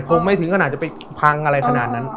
คงไม่ถึงขนาดจะไปพังอะไรขนาดนั้น